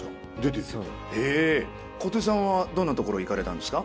小手さんはどんな所行かれたんですか？